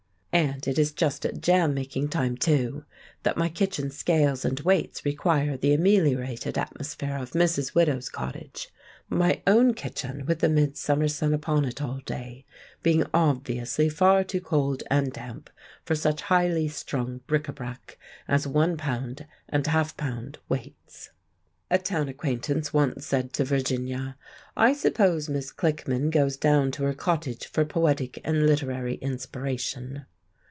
And it is just at jam making time, too, that my kitchen scales and weights require the ameliorated atmosphere of Mrs. Widow's cottage; my own kitchen, with the midsummer sun upon it all day, being obviously far too cold and damp for such highly strung bric à brac as one pound and half pound weights. A town acquaintance once said to Virginia: "I suppose Miss Klickmann goes down to her cottage for poetic and literary inspiration?"